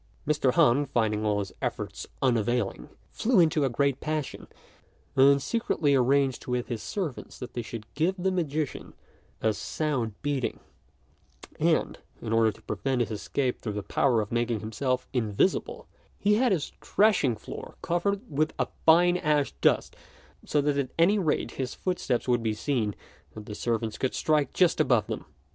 Mr. Han, finding all his efforts unavailing, flew into a great passion, and secretly arranged with his servants that they should give the magician a sound beating; and, in order to prevent his escape through the power of making himself invisible, he had his threshing floor covered with a fine ash dust, so that at any rate his footsteps would be seen and the servants could strike just above them.